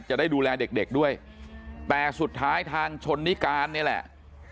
จะได้ดูแลเด็กเด็กด้วยแต่สุดท้ายทางชนนิการนี่แหละ